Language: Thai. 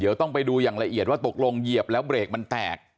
เดี๋ยวต้องไปดูอย่างละเอียดว่าตกลงเหยียบแล้วเบรกมันแตก